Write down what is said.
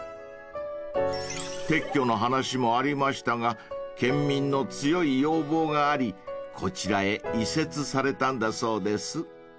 ［撤去の話もありましたが県民の強い要望がありこちらへ移設されたんだそうです］